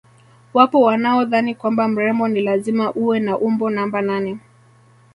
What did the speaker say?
Wapo wanaodhani kwamba mrembo ni lazima uwe na umbo namba nane